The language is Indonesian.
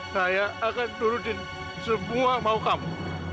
saya akan turunin semua mau kamu